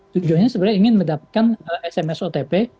tujuannya sebenarnya ingin mendapatkan sms otp